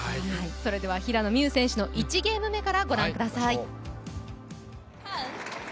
それでは平野美宇選手の１ゲーム目からご覧ください。